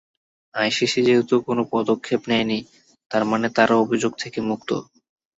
ICC যেহেতু কোনো পদক্ষেপ নেয়নি, তার মানে তারা অভিযোগ থেকে মুক্ত।